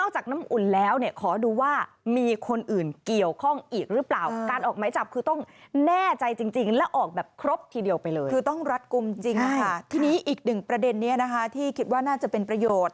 ทีนี้อีกหนึ่งประเด็นนี้ที่คิดว่าน่าจะเป็นประโยชน์